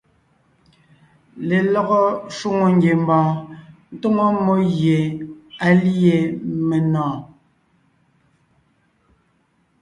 Lelɔgɔ shwòŋo ngiembɔɔn tóŋo mmó gie á lîe menɔ̀ɔn.